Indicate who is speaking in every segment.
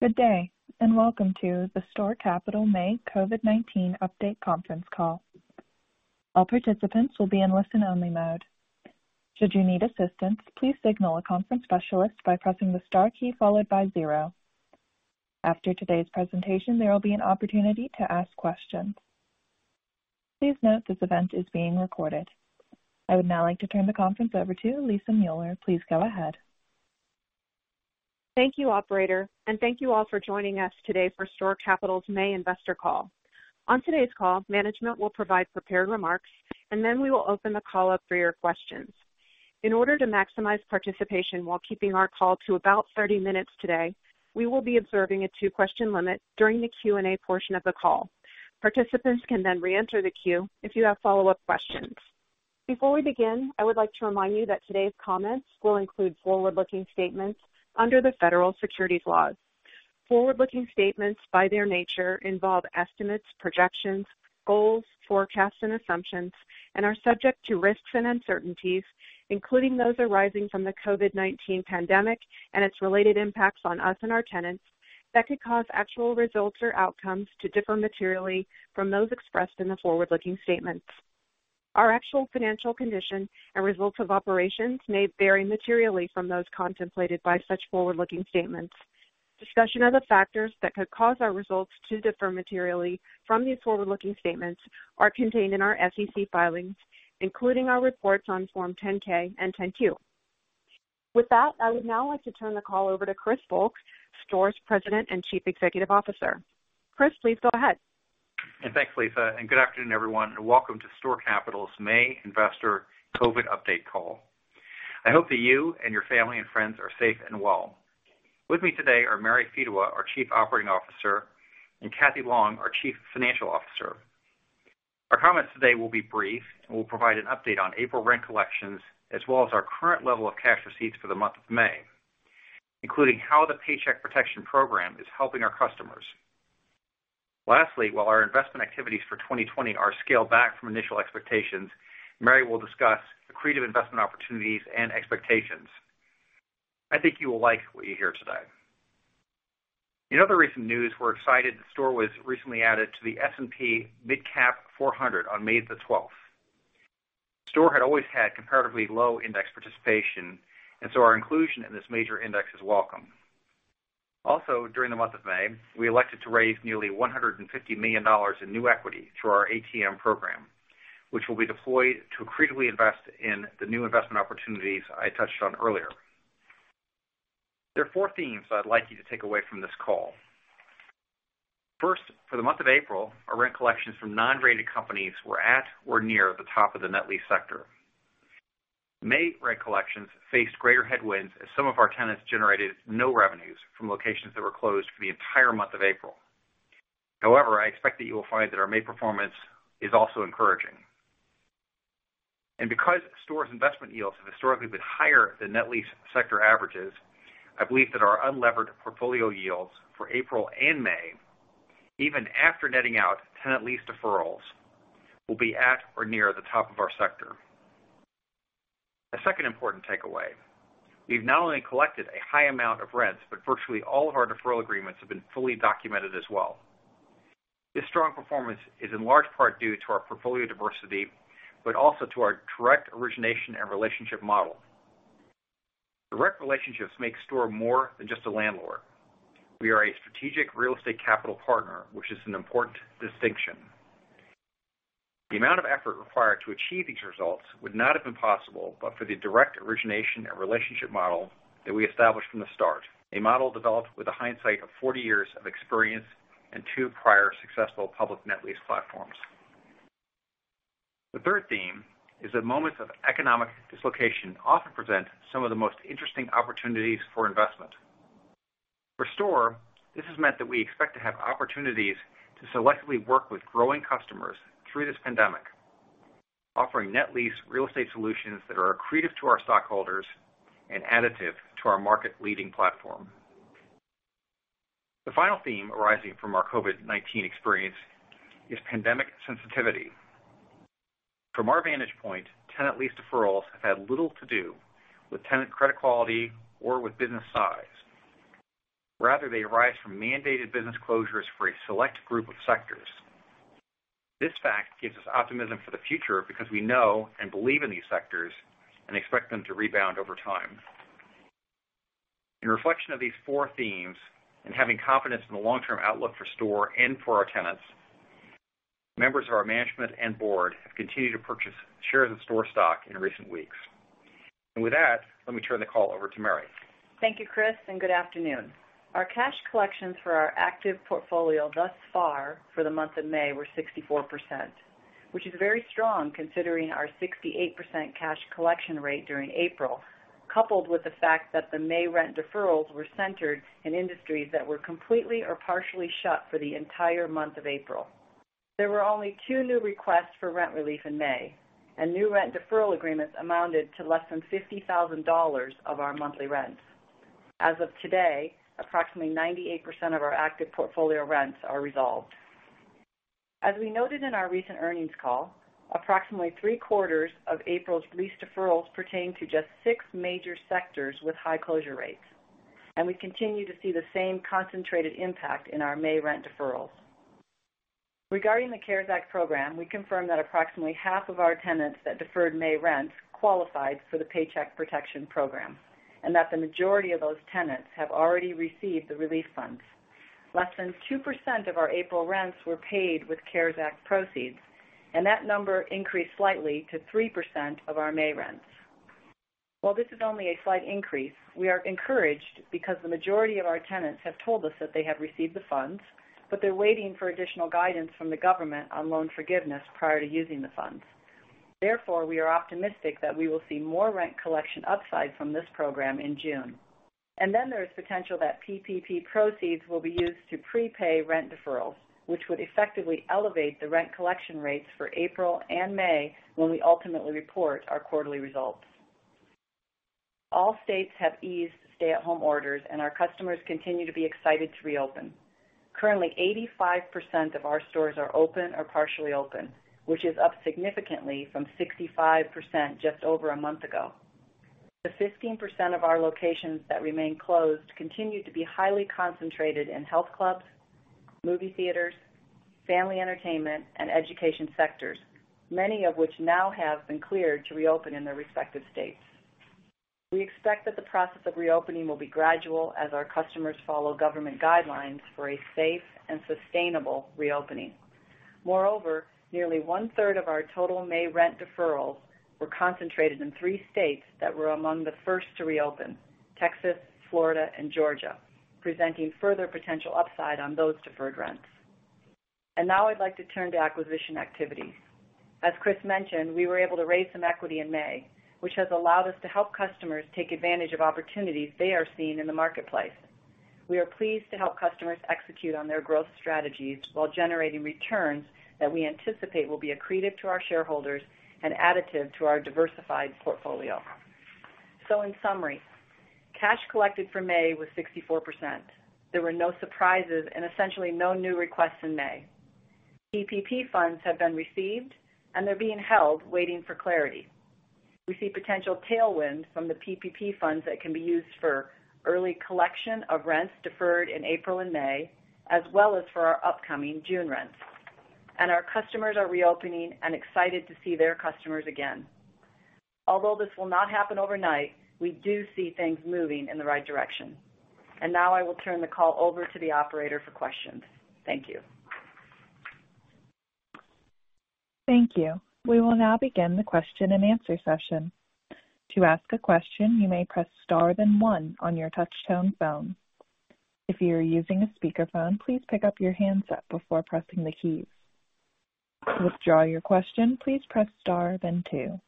Speaker 1: Good day, and welcome to the STORE Capital May COVID-19 Update Conference Call. All participants will be in listen-only mode. Should you need assistance, please signal a conference specialist by pressing the star key followed by zero. After today's presentation, there will be an opportunity to ask questions. Please note this event is being recorded. I would now like to turn the conference over to Lisa Mueller. Please go ahead.
Speaker 2: Thank you, operator, and thank you all for joining us today for STORE Capital's May investor call. On today's call, management will provide prepared remarks, and then we will open the call up for your questions. In order to maximize participation while keeping our call to about 30 minutes today, we will be observing a two-question limit during the Q&A portion of the call. Participants can reenter the queue if you have follow-up questions. Before we begin, I would like to remind you that today's comments will include forward-looking statements under the federal securities laws. Forward-looking statements, by their nature, involve estimates, projections, goals, forecasts, and assumptions and are subject to risks and uncertainties, including those arising from the COVID-19 pandemic and its related impacts on us and our tenants, that could cause actual results or outcomes to differ materially from those expressed in the forward-looking statements. Our actual financial condition and results of operations may vary materially from those contemplated by such forward-looking statements. Discussion of the factors that could cause our results to differ materially from these forward-looking statements are contained in our SEC filings, including our reports on Form 10-K and 10-Q. With that, I would now like to turn the call over to Chris Volk, STORE's President and Chief Executive Officer. Chris, please go ahead.
Speaker 3: Thanks, Lisa, and good afternoon, everyone, and welcome to STORE Capital's May investor COVID update call. I hope that you and your family and friends are safe and well. With me today are Mary Fedewa, our Chief Operating Officer, and Cathy Long, our Chief Financial Officer. Our comments today will be brief, and we'll provide an update on April rent collections as well as our current level of cash receipts for the month of May, including how the Paycheck Protection Program is helping our customers. Lastly, while our investment activities for 2020 are scaled back from initial expectations, Mary will discuss accretive investment opportunities and expectations. I think you will like what you hear today. In other recent news, we're excited that STORE was recently added to the S&P MidCap 400 on May the 12th. STORE had always had comparatively low index participation. Our inclusion in this major index is welcome. During the month of May, we elected to raise nearly $150 million in new equity through our ATM program, which will be deployed to accretively invest in the new investment opportunities I touched on earlier. There are four themes that I'd like you to take away from this call. First, for the month of April, our rent collections from non-rated companies were at or near the top of the net lease sector. May rent collections faced greater headwinds as some of our tenants generated no revenues from locations that were closed for the entire month of April. I expect that you will find that our May performance is also encouraging. Because STORE's investment yields have historically been higher than net lease sector averages, I believe that our unlevered portfolio yields for April and May, even after netting out tenant lease deferrals, will be at or near the top of our sector. A second important takeaway. We've not only collected a high amount of rents, but virtually all of our deferral agreements have been fully documented as well. This strong performance is in large part due to our portfolio diversity but also to our direct origination and relationship model. Direct relationships make STORE more than just a landlord. We are a strategic real estate capital partner, which is an important distinction. The amount of effort required to achieve these results would not have been possible but for the direct origination and relationship model that we established from the start, a model developed with the hindsight of 40 years of experience and two prior successful public net lease platforms. The third theme is that moments of economic dislocation often present some of the most interesting opportunities for investment. For STORE, this has meant that we expect to have opportunities to selectively work with growing customers through this pandemic, offering net lease real estate solutions that are accretive to our stockholders and additive to our market-leading platform. The final theme arising from our COVID-19 experience is pandemic sensitivity. From our vantage point, tenant lease deferrals have had little to do with tenant credit quality or with business size. Rather, they arise from mandated business closures for a select group of sectors. This fact gives us optimism for the future because we know and believe in these sectors and expect them to rebound over time. In reflection of these four themes and having confidence in the long-term outlook for STORE and for our tenants, members of our management and board have continued to purchase shares of STORE stock in recent weeks. With that, let me turn the call over to Mary.
Speaker 4: Thank you, Chris, and good afternoon. Our cash collections for our active portfolio thus far for the month of May were 64%, which is very strong considering our 68% cash collection rate during April, coupled with the fact that the May rent deferrals were centered in industries that were completely or partially shut for the entire month of April. There were only two new requests for rent relief in May, and new rent deferral agreements amounted to less than $50,000 of our monthly rents. As of today, approximately 98% of our active portfolio rents are resolved. As we noted in our recent earnings call, approximately three quarters of April's lease deferrals pertain to just six major sectors with high closure rates. We continue to see the same concentrated impact in our May rent deferrals. Regarding the CARES Act program, we confirm that approximately half of our tenants that deferred May rents qualified for the Paycheck Protection Program, and that the majority of those tenants have already received the relief funds. Less than 2% of our April rents were paid with CARES Act proceeds, and that number increased slightly to 3% of our May rents. While this is only a slight increase, we are encouraged because the majority of our tenants have told us that they have received the funds, but they're waiting for additional guidance from the government on loan forgiveness prior to using the funds. Therefore, we are optimistic that we will see more rent collection upside from this program in June. There is potential that PPP proceeds will be used to prepay rent deferrals, which would effectively elevate the rent collection rates for April and May when we ultimately report our quarterly results. All states have eased stay-at-home orders, and our customers continue to be excited to reopen. Currently, 85% of our stores are open or partially open, which is up significantly from 65% just over a month ago. The 15% of our locations that remain closed continue to be highly concentrated in health clubs, movie theaters, family entertainment, and education sectors, many of which now have been cleared to reopen in their respective states. We expect that the process of reopening will be gradual as our customers follow government guidelines for a safe and sustainable reopening. Moreover, nearly one-third of our total May rent deferrals were concentrated in three states that were among the first to reopen: Texas, Florida, and Georgia, presenting further potential upside on those deferred rents. Now I'd like to turn to acquisition activity. As Chris mentioned, we were able to raise some equity in May, which has allowed us to help customers take advantage of opportunities they are seeing in the marketplace. We are pleased to help customers execute on their growth strategies while generating returns that we anticipate will be accretive to our shareholders and additive to our diversified portfolio. In summary, cash collected for May was 64%. There were no surprises and essentially no new requests in May. PPP funds have been received, and they're being held waiting for clarity. We see potential tailwinds from the PPP funds that can be used for early collection of rents deferred in April and May, as well as for our upcoming June rents. Our customers are reopening and excited to see their customers again. Although this will not happen overnight, we do see things moving in the right direction. Now I will turn the call over to the operator for questions. Thank you.
Speaker 1: Thank you. We will now begin the question-and-answer session. To ask a question, you may press star, then one on your touchtone phone. If you are using a speakerphone, please pick up your handset before pressing the keys. To withdraw your question, please press star, then two.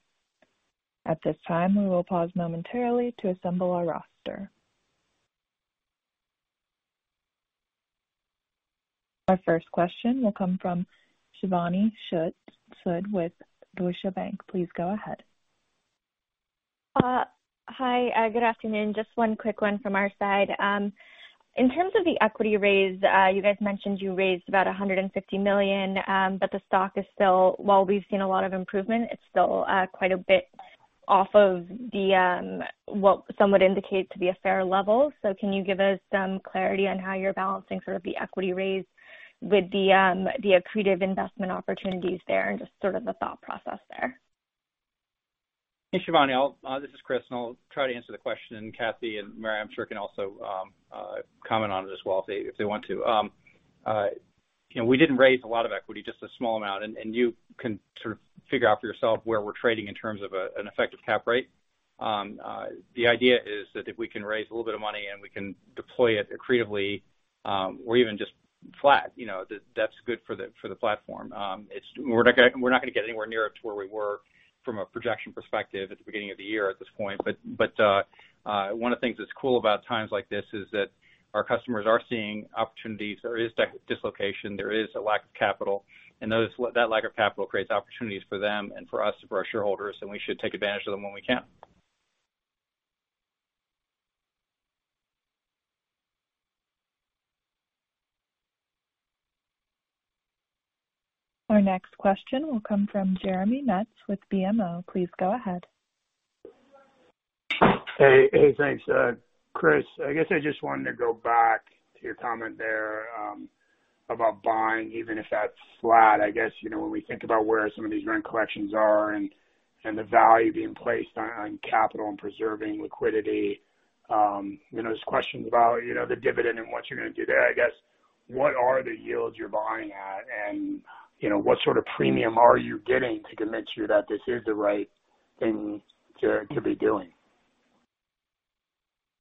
Speaker 1: At this time, we will pause momentarily to assemble our roster. Our first question will come from Shivani Sood with Deutsche Bank. Please go ahead.
Speaker 5: Hi. Good afternoon. Just one quick one from our side. In terms of the equity raise, you guys mentioned you raised about $150 million, but the stock is still, while we've seen a lot of improvement, it's still quite a bit off of what some would indicate to be a fair level. Can you give us some clarity on how you're balancing sort of the equity raise with the accretive investment opportunities there and just sort of the thought process there?
Speaker 3: Hey, Shivani. This is Chris, and I'll try to answer the question. Cathy and Mary, I'm sure, can also comment on it as well if they want to. We didn't raise a lot of equity, just a small amount. You can sort of figure out for yourself where we're trading in terms of an effective cap rate. The idea is that if we can raise a little bit of money and we can deploy it accretively or even just flat, that's good for the platform. We're not going to get anywhere near up to where we were from a projection perspective at the beginning of the year at this point. One of the things that's cool about times like this is that our customers are seeing opportunities. There is dislocation, there is a lack of capital. That lack of capital creates opportunities for them and for us, for our shareholders, and we should take advantage of them when we can.
Speaker 1: Our next question will come from Jeremy Metz with BMO. Please go ahead.
Speaker 6: Hey, thanks. Chris, I guess I just wanted to go back to your comment there about buying, even if that's flat. I guess, when we think about where some of these rent collections are and the value being placed on capital and preserving liquidity, those questions about the dividend and what you're going to do there. I guess, what are the yields you're buying at, and what sort of premium are you getting to convince you that this is the right thing to be doing?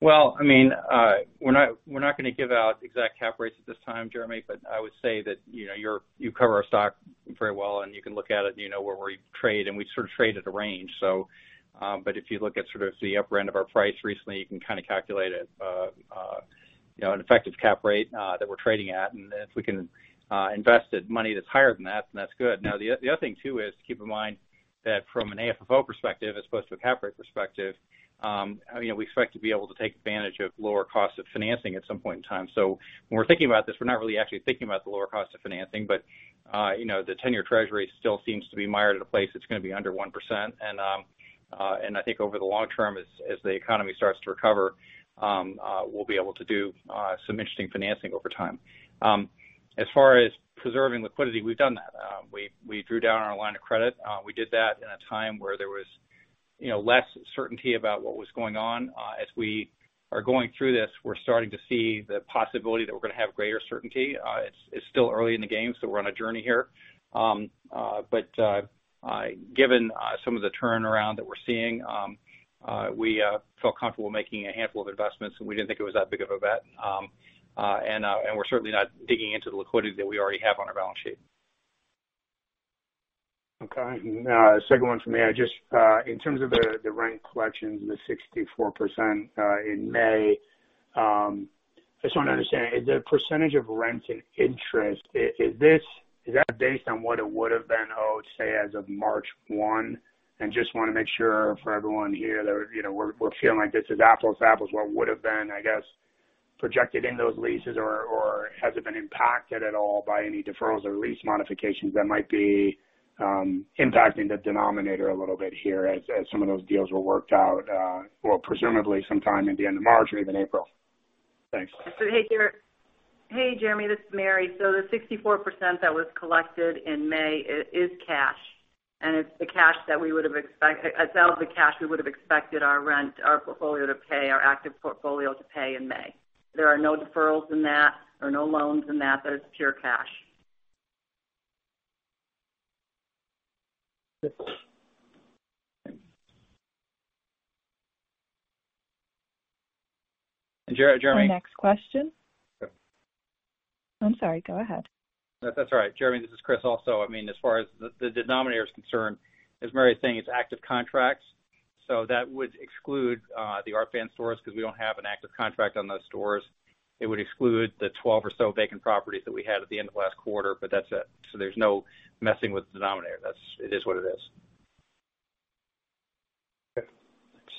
Speaker 3: Well, we're not going to give out exact cap rates at this time, Jeremy. I would say that you cover our stock very well, and you can look at it, and you know where we trade, and we sort of trade at a range. If you look at sort of the upper end of our price recently, you can kind of calculate an effective cap rate that we're trading at. If we can invest at money that's higher than that, then that's good. Now, the other thing too is, keep in mind. That from an AFFO perspective, as opposed to a cap rate perspective, we expect to be able to take advantage of lower cost of financing at some point in time. When we're thinking about this, we're not really actually thinking about the lower cost of financing, but the 10-year Treasury still seems to be mired at a place that's going to be under 1%. I think over the long term, as the economy starts to recover, we'll be able to do some interesting financing over time. As far as preserving liquidity, we've done that. We drew down our line of credit. We did that in a time where there was less certainty about what was going on. As we are going through this, we're starting to see the possibility that we're going to have greater certainty. It's still early in the game, so we're on a journey here. Given some of the turnaround that we're seeing, we feel comfortable making a handful of investments, and we didn't think it was that big of a bet. We're certainly not digging into the liquidity that we already have on our balance sheet.
Speaker 6: Okay. Second one from me, just in terms of the rent collections and the 64% in May, I just want to understand, is the percentage of rent and interest, is that based on what it would've been, say, as of March 1? Just want to make sure for everyone here that we're feeling like this is apples to apples what would've been, I guess, projected in those leases or has it been impacted at all by any deferrals or lease modifications that might be impacting the denominator a little bit here as some of those deals were worked out, or presumably sometime at the end of March or even April. Thanks.
Speaker 4: Hey, Jeremy, this is Mary. The 64% that was collected in May, it is cash, and it's the cash that we would've expected our portfolio to pay, our active portfolio to pay in May. There are no deferrals in that or no loans in that. That is pure cash.
Speaker 6: Thanks.
Speaker 3: Jeremy-
Speaker 1: Our next question.
Speaker 6: Sure.
Speaker 1: I'm sorry, go ahead.
Speaker 3: That's all right. Jeremy, this is Chris also. As far as the denominator is concerned, as Mary's saying, it's active contracts. That would exclude the Art Van stores because we don't have an active contract on those stores. It would exclude the 12 or so vacant properties that we had at the end of last quarter, but that's it. There's no messing with the denominator. It is what it is.
Speaker 6: Okay. Thanks.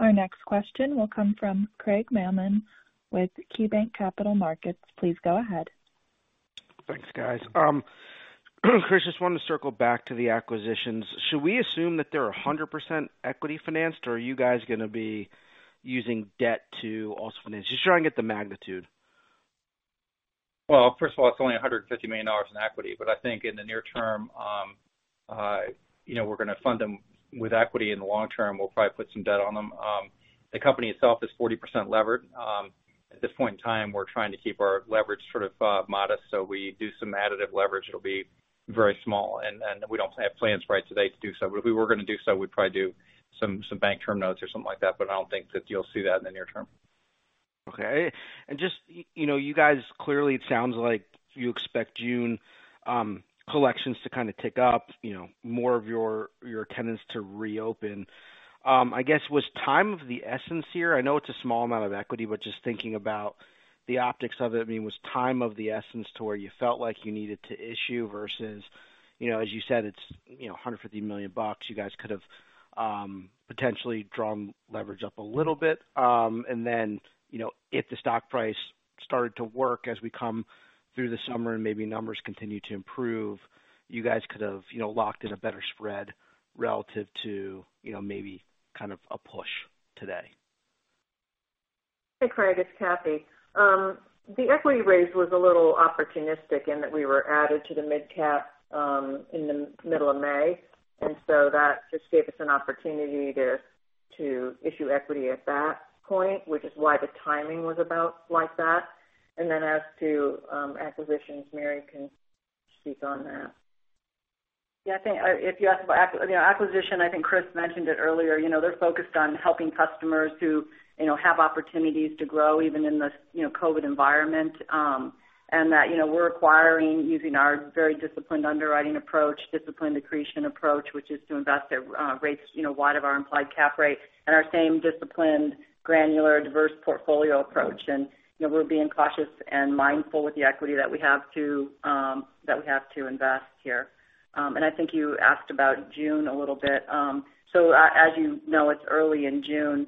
Speaker 1: Our next question will come from Craig Mailman with KeyBanc Capital Markets. Please go ahead.
Speaker 7: Thanks, guys. Chris, just wanted to circle back to the acquisitions. Should we assume that they're 100% equity financed, or are you guys going to be using debt to also finance? Just trying to get the magnitude.
Speaker 3: First of all, it's only $150 million in equity. I think in the near term, we're going to fund them with equity. In the long term, we'll probably put some debt on them. The company itself is 40% levered. At this point in time, we're trying to keep our leverage sort of modest, so we do some additive leverage. It'll be very small, and we don't have plans right today to do so. If we were going to do so, we'd probably do some bank term notes or something like that, but I don't think that you'll see that in the near term.
Speaker 7: Okay. Just you guys, clearly, it sounds like you expect June collections to kind of tick up, more of your tenants to reopen. I guess, was time of the essence here? I know it's a small amount of equity, but just thinking about the optics of it, was time of the essence to where you felt like you needed to issue versus, as you said, it's $150 million. You guys could've potentially drawn leverage up a little bit. Then if the stock price started to work as we come through the summer and maybe numbers continue to improve, you guys could have locked in a better spread relative to maybe kind of a push today.
Speaker 8: Hey, Craig, it's Cathy. The equity raise was a little opportunistic in that we were added to the MidCap in the middle of May. That just gave us an opportunity to issue equity at that point, which is why the timing was about like that. As to acquisitions, Mary can speak on that.
Speaker 4: Yeah. If you ask about acquisition, I think Chris mentioned it earlier. They're focused on helping customers who have opportunities to grow even in this COVID environment. That we're acquiring using our very disciplined underwriting approach, disciplined accretion approach, which is to invest at rates wide of our implied cap rate and our same disciplined, granular, diverse portfolio approach. We're being cautious and mindful with the equity that we have to invest here. I think you asked about June a little bit. As you know, it's early in June.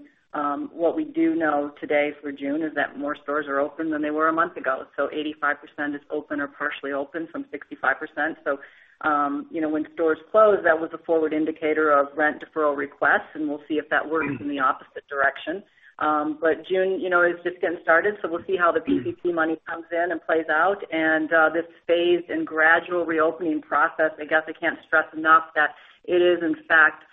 Speaker 4: What we do know today for June is that more stores are open than they were a month ago. 85% is open or partially open from 65%. When stores closed, that was a forward indicator of rent deferral requests, and we'll see if that works in the opposite direction. June is just getting started, so we'll see how the PPP money comes in and plays out. This phased and gradual reopening process, I guess I can't stress enough that it is in fact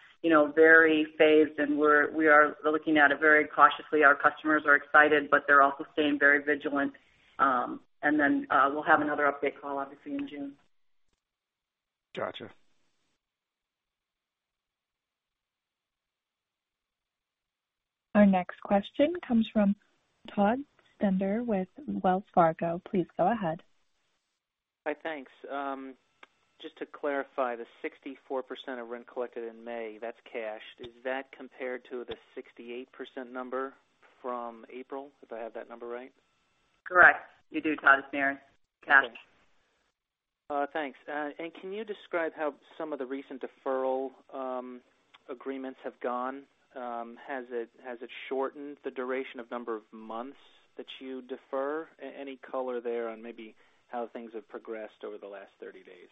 Speaker 4: very phased, and we are looking at it very cautiously. Our customers are excited, but they're also staying very vigilant. Then we'll have another update call, obviously, in June.
Speaker 7: Got you.
Speaker 1: Our next question comes from Todd Stender with Wells Fargo. Please go ahead.
Speaker 9: Hi, thanks. Just to clarify, the 64% of rent collected in May, that's cash. Is that compared to the 68% number from April, if I have that number right?
Speaker 4: Correct. You do, Todd. It's Mary. Cash.
Speaker 9: Thanks. Can you describe how some of the recent deferral agreements have gone? Has it shortened the duration of number of months that you defer? Any color there on maybe how things have progressed over the last 30 days?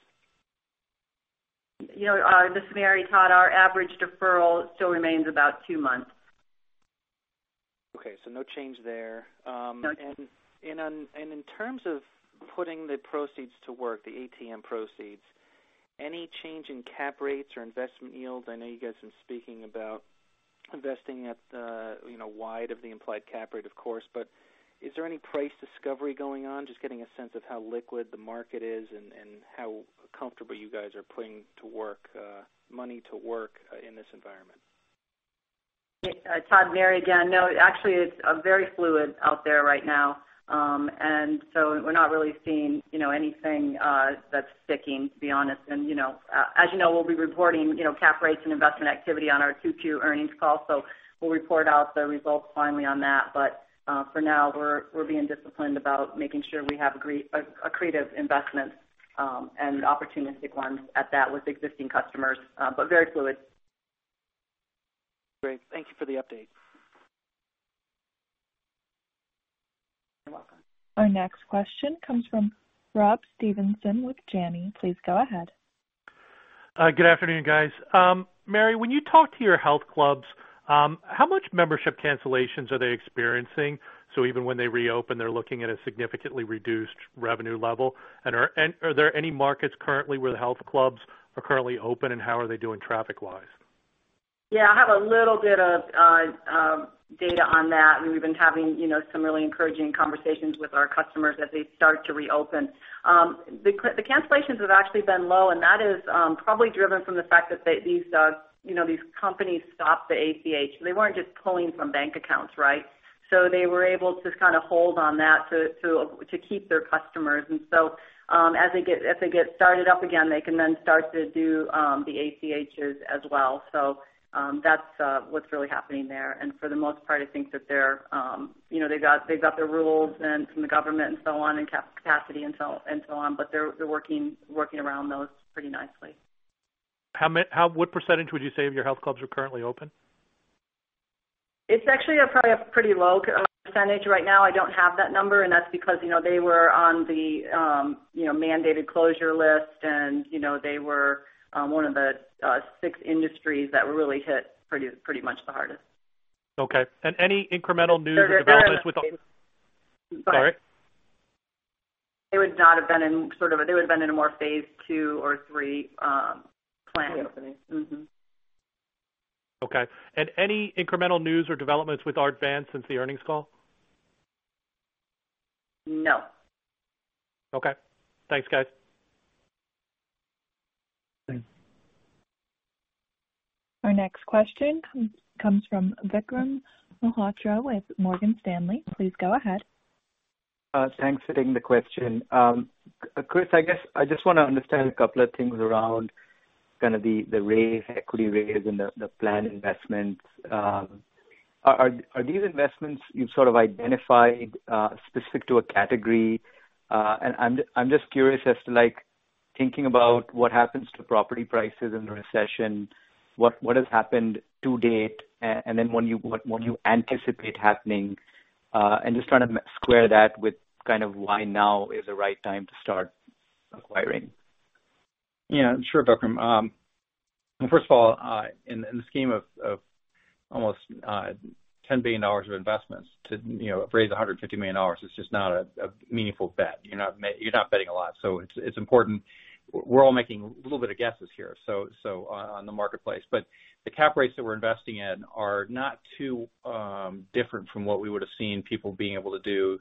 Speaker 4: This is Mary, Todd. Our average deferral still remains about two months.
Speaker 9: Okay. No change there.
Speaker 4: No change.
Speaker 9: In terms of putting the proceeds to work, the ATM proceeds, any change in cap rates or investment yields? I know you guys have been speaking about investing at wide of the implied cap rate, of course, but is there any price discovery going on? Just getting a sense of how liquid the market is and how comfortable you guys are putting money to work in this environment.
Speaker 4: Todd, Mary again. No, actually it's very fluid out there right now. We're not really seeing anything that's sticking, to be honest. As you know, we'll be reporting cap rates and investment activity on our 2Q earnings call. We'll report out the results finally on that. For now, we're being disciplined about making sure we have accretive investments, and opportunistic ones at that, with existing customers, but very fluid.
Speaker 9: Great. Thank you for the update.
Speaker 4: You're welcome.
Speaker 1: Our next question comes from Rob Stevenson with Janney. Please go ahead.
Speaker 10: Good afternoon, guys. Mary, when you talk to your health clubs, how much membership cancellations are they experiencing? Even when they reopen, they're looking at a significantly reduced revenue level. Are there any markets currently where the health clubs are currently open, and how are they doing traffic wise?
Speaker 4: Yeah, I have a little bit of data on that. We've been having some really encouraging conversations with our customers as they start to reopen. The cancellations have actually been low, and that is probably driven from the fact that these companies stopped the ACH. They weren't just pulling from bank accounts, right? They were able to kind of hold on that to keep their customers. As they get started up again, they can then start to do the ACHs as well. That's what's really happening there. For the most part, I think that they've got their rules from the government and so on, and cap capacity and so on, but they're working around those pretty nicely.
Speaker 10: What percentage would you say of your health clubs are currently open?
Speaker 4: It's actually probably a pretty low percentage right now. I don't have that number, and that's because they were on the mandated closure list, and they were one of the six industries that were really hit pretty much the hardest.
Speaker 10: Okay. Any incremental news or developments?
Speaker 8: Sorry.
Speaker 10: Sorry?
Speaker 4: They would have been in a more phase II or III plan. Reopening.
Speaker 10: Okay. Any incremental news or developments with Art Van since the earnings call?
Speaker 8: No.
Speaker 10: Okay. Thanks, guys.
Speaker 8: Thanks.
Speaker 1: Our next question comes from Vikram Malhotra with Morgan Stanley. Please go ahead.
Speaker 11: Thanks for taking the question. Chris, I guess I just want to understand a couple of things around kind of the equity raise and the planned investments. Are these investments you've sort of identified specific to a category? I'm just curious as to thinking about what happens to property prices in a recession, what has happened to date, and then what you anticipate happening, and just trying to square that with kind of why now is the right time to start acquiring.
Speaker 3: Yeah, sure, Vikram. First of all, in the scheme of almost $10 billion of investments to raise $150 million, it's just not a meaningful bet. You're not betting a lot. It's important. We're all making a little bit of guesses here on the marketplace, but the cap rates that we're investing in are not too different from what we would have seen people being able to do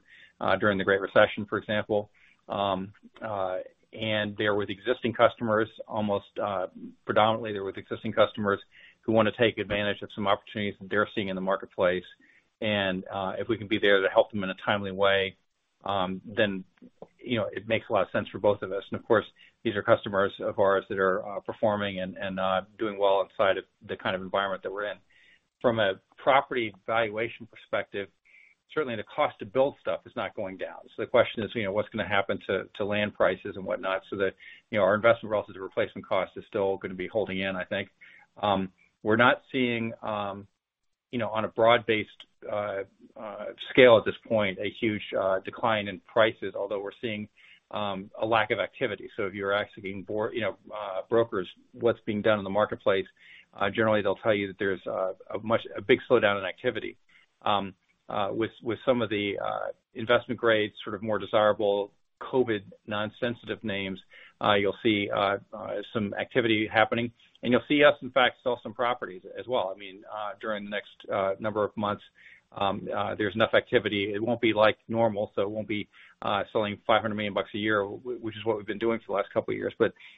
Speaker 3: during the Great Recession, for example. They're with existing customers, almost predominantly they're with existing customers who want to take advantage of some opportunities that they're seeing in the marketplace. If we can be there to help them in a timely way, then it makes a lot of sense for both of us. Of course, these are customers of ours that are performing and doing well outside of the kind of environment that we're in. From a property valuation perspective, certainly the cost to build stuff is not going down. The question is, what's going to happen to land prices and whatnot, so that our investment relative to replacement cost is still going to be holding in, I think. We're not seeing on a broad-based scale at this point a huge decline in prices, although we're seeing a lack of activity. If you're asking brokers what's being done in the marketplace, generally they'll tell you that there's a big slowdown in activity. With some of the investment grade, sort of more desirable COVID non-sensitive names, you'll see some activity happening, and you'll see us, in fact, sell some properties as well. During the next number of months, there's enough activity. It won't be like normal. It won't be selling $500 million a year, which is what we've been doing for the last couple of years.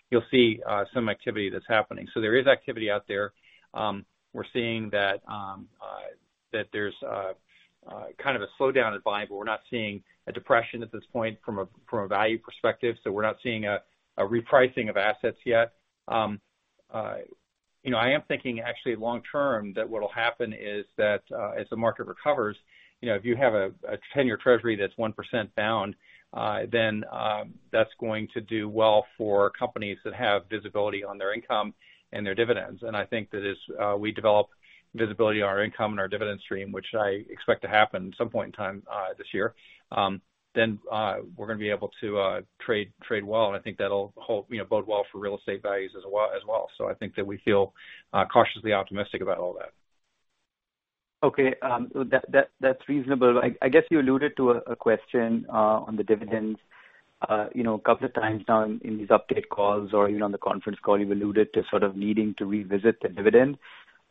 Speaker 3: You'll see some activity that's happening. There is activity out there. We're seeing that there's kind of a slowdown in buying. We're not seeing a depression at this point from a value perspective. We're not seeing a repricing of assets yet. I am thinking actually long term that what'll happen is that as the market recovers, if you have a 10-year treasury that's 1% down, then that's going to do well for companies that have visibility on their income and their dividends. I think that as we develop visibility on our income and our dividend stream, which I expect to happen at some point in time this year, then we're going to be able to trade well, and I think that'll bode well for real estate values as well. I think that we feel cautiously optimistic about all that.
Speaker 11: Okay. That's reasonable. I guess you alluded to a question on the dividends a couple of times now in these update calls or even on the conference call, you've alluded to sort of needing to revisit the dividend.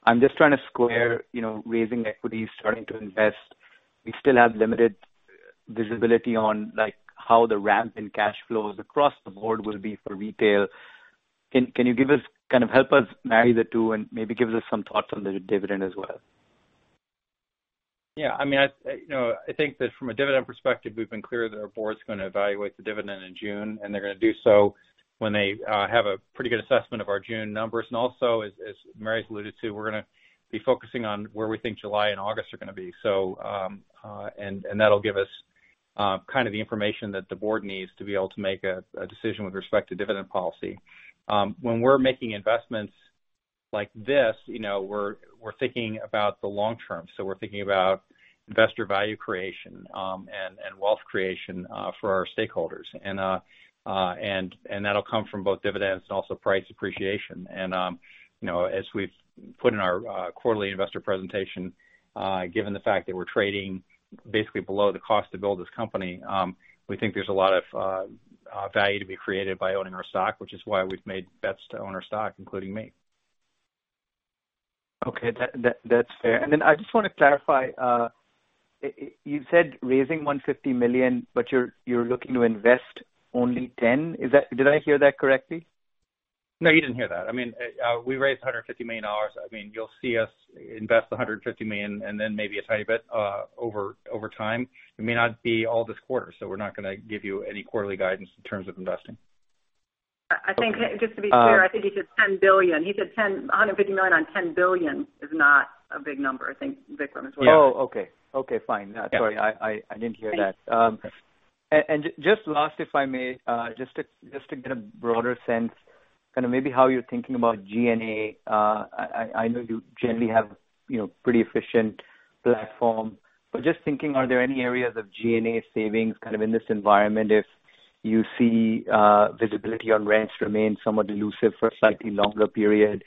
Speaker 11: I'm just trying to square raising equity, starting to invest. We still have limited visibility on how the ramp in cash flows across the board will be for retail. Can you kind of help us marry the two and maybe give us some thoughts on the dividend as well?
Speaker 3: I think that from a dividend perspective, we've been clear that our board's going to evaluate the dividend in June, they're going to do so when they have a pretty good assessment of our June numbers. Also, as Mary's alluded to, we're going to be focusing on where we think July and August are going to be. That'll give us kind of the information that the board needs to be able to make a decision with respect to dividend policy. When we're making investments like this, we're thinking about the long term. We're thinking about investor value creation and wealth creation for our stakeholders. That'll come from both dividends and also price appreciation. As we've put in our quarterly investor presentation given the fact that we're trading basically below the cost to build this company, we think there's a lot of value to be created by owning our stock, which is why we've made bets to own our stock, including me.
Speaker 11: Okay. That's fair. I just want to clarify you said raising $150 million, but you're looking to invest only $10. Did I hear that correctly?
Speaker 3: No, you didn't hear that. We raised $150 million. You'll see us invest $150 million, and then maybe a tiny bit over time. It may not be all this quarter, so we're not going to give you any quarterly guidance in terms of investing.
Speaker 8: I think just to be clear, I think he said $10 billion. He said $150 million on $10 billion is not a big number, I think, Vikram, as well.
Speaker 11: Oh, okay. Okay, fine. Sorry, I didn't hear that. Just last, if I may just to get a broader sense kind of maybe how you're thinking about G&A. I know you generally have pretty efficient platform, but just thinking, are there any areas of G&A savings kind of in this environment if you see visibility on rents remain somewhat elusive for a slightly longer period?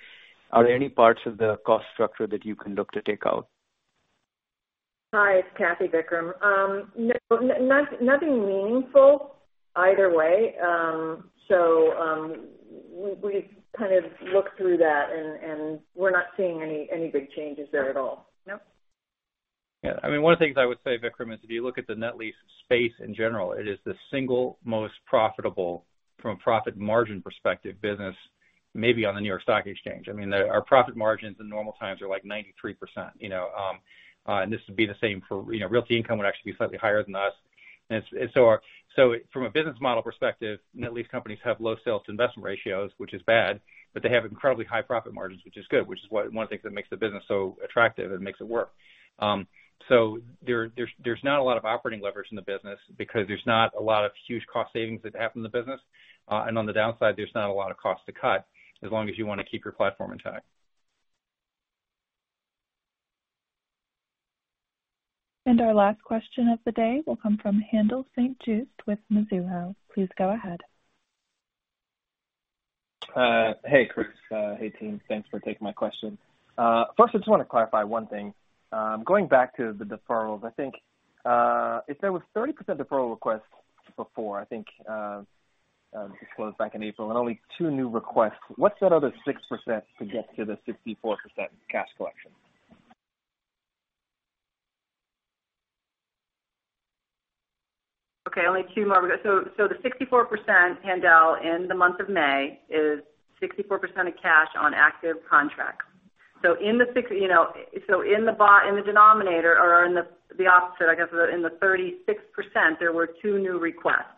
Speaker 11: Are there any parts of the cost structure that you can look to take out?
Speaker 8: Hi, it's Cathy, Vikram. Nothing meaningful either way. We kind of look through that, and we're not seeing any big changes there at all. No.
Speaker 3: Yeah. One of the things I would say, Vikram, is if you look at the net lease space in general, it is the single most profitable from a profit margin perspective business, maybe on the New York Stock Exchange. Our profit margins in normal times are like 93%. This would be the same for Realty Income. Realty Income would actually be slightly higher than us. From a business model perspective, net lease companies have low sales to investment ratios, which is bad, but they have incredibly high profit margins, which is good, which is one of the things that makes the business so attractive and makes it work. There's not a lot of operating leverage in the business because there's not a lot of huge cost savings that happen in the business. On the downside, there's not a lot of cost to cut as long as you want to keep your platform intact.
Speaker 1: Our last question of the day will come from Haendel St. Juste with Mizuho. Please go ahead.
Speaker 12: Hey, Chris. Hey, team. Thanks for taking my question. First I just want to clarify one thing. Going back to the deferrals, I think if there was 30% deferral request before, I think this was back in April, and only two new requests, what's that other 6% to get to the 64% cash collection?
Speaker 4: Only two more. The 64%, Haendel, in the month of May is 64% of cash on active contracts. In the denominator or in the opposite, I guess in the 36%, there were two new requests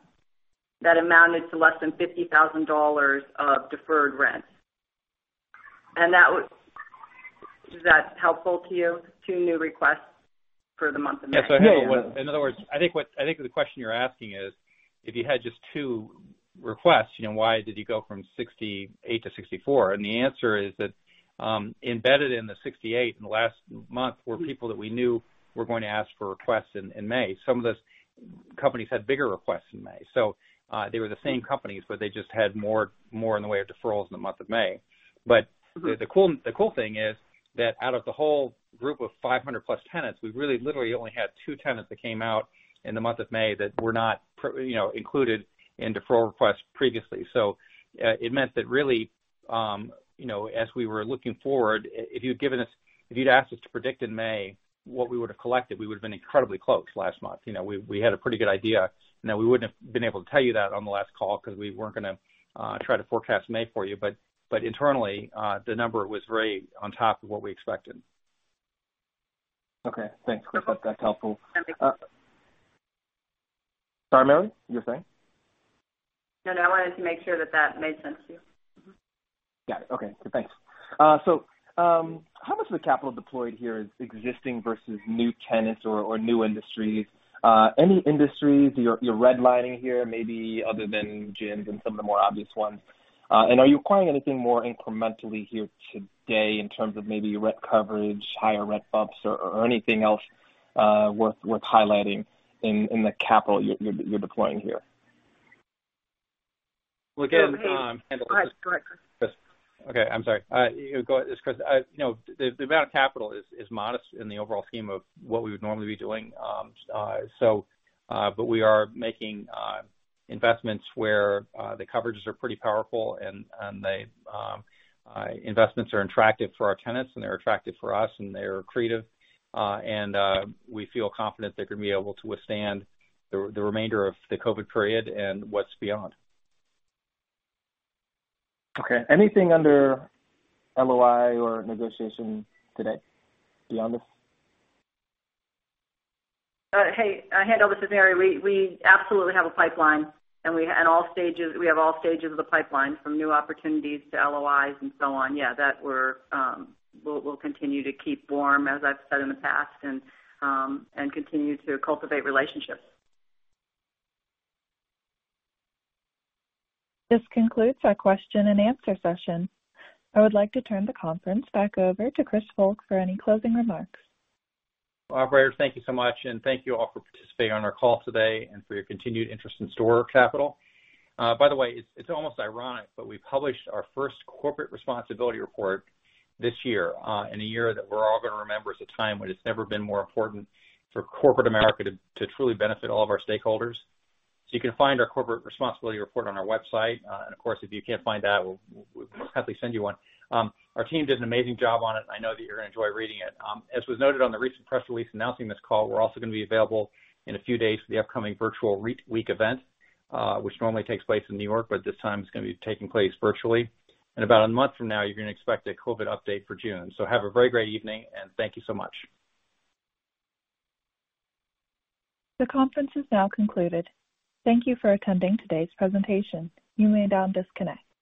Speaker 4: that amounted to less than $50,000 of deferred rent. Is that helpful to you? Two new requests for the month of May.
Speaker 3: Yeah. In other words, I think the question you're asking is if you had just two requests, why did you go from 68 to 64? The answer is that embedded in the 68 in the last month were people that we knew were going to ask for requests in May. Some of those companies had bigger requests in May. They were the same companies, but they just had more in the way of deferrals in the month of May. The cool thing is that out of the whole group of 500 plus tenants, we really literally only had two tenants that came out in the month of May that were not included in deferral requests previously. It meant that really as we were looking forward, if you'd asked us to predict in May what we would have collected, we would have been incredibly close last month. We had a pretty good idea. Now, we wouldn't have been able to tell you that on the last call because we weren't going to try to forecast May for you, but internally the number was very on top of what we expected.
Speaker 12: Okay. Thanks, Chris. That's helpful.
Speaker 4: Okay.
Speaker 12: Sorry, Mary, you were saying?
Speaker 4: No, I wanted to make sure that that made sense to you.
Speaker 12: Got it. Okay, thanks. How much of the capital deployed here is existing versus new tenants or new industries? Any industries you're redlining here, maybe other than gyms and some of the more obvious ones? Are you acquiring anything more incrementally here today in terms of maybe rent coverage, higher rent bumps, or anything else worth highlighting in the capital you're deploying here?
Speaker 3: Well, hey. Again-
Speaker 8: Go ahead, Chris.
Speaker 3: Okay. I'm sorry. Go ahead. It's Chris. The amount of capital is modest in the overall scheme of what we would normally be doing. We are making investments where the coverages are pretty powerful, and the investments are attractive for our tenants, and they're attractive for us, and they're accretive. We feel confident they're going to be able to withstand the remainder of the COVID period and what's beyond.
Speaker 12: Okay. Anything under LOI or negotiation today beyond this?
Speaker 4: Hey, I'll hand over to Mary. We absolutely have a pipeline. We have all stages of the pipeline, from new opportunities to LOIs and so on, that we'll continue to keep warm, as I've said in the past, and continue to cultivate relationships.
Speaker 1: This concludes our question and answer session. I would like to turn the conference back over to Chris Volk for any closing remarks.
Speaker 3: Operator, thank you so much. Thank you all for participating on our call today and for your continued interest in STORE Capital. By the way, it's almost ironic. We published our first corporate responsibility report this year, in a year that we're all going to remember as a time when it's never been more important for corporate America to truly benefit all of our stakeholders. You can find our corporate responsibility report on our website. Of course, if you can't find that, we'll happily send you one. Our team did an amazing job on it. I know that you're going to enjoy reading it. As was noted on the recent press release announcing this call, we're also going to be available in a few days for the upcoming virtual REITweek event which normally takes place in New York, but this time it's going to be taking place virtually. About a month from now, you can expect a COVID-19 update for June. Have a very great evening, and thank you so much.
Speaker 1: The conference is now concluded. Thank you for attending today's presentation. You may now disconnect.